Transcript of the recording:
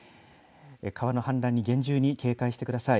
川の氾濫に厳重に警戒してください。